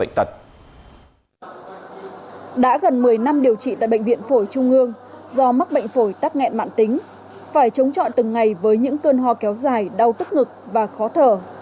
năm điều trị tại bệnh viện phổi trung ương do mắc bệnh phổi tắt nghẹn mạng tính phải chống chọn từng ngày với những cơn ho kéo dài đau tức ngực và khó thở